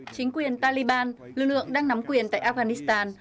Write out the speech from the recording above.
chính quyền taliban lưu lượng đang nắm quyền tại afghanistan